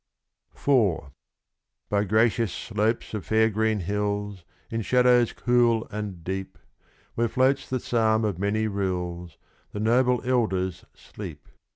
IV By gracious slopes of fair green hills, In shadows cool and deep, Where floats the psalm of many rills, The noble elders sleep.